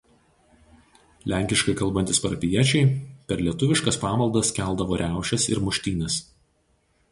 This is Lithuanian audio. Lenkiškai kalbantys parapijiečiai per lietuviškas pamaldas keldavo riaušes ir muštynes.